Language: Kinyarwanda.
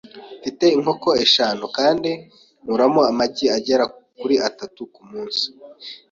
Mfite inkoko eshanu kandi nkuramo amagi agera kuri atatu kumunsi.